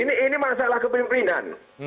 ini masalah kepemimpinan